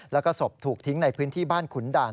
แล้วก็ศพถูกทิ้งในพื้นที่บ้านขุนด่าน